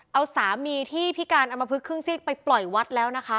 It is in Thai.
เอาสามีที่พิการอมพลึกครึ่งซีกไปปล่อยวัดแล้วนะคะ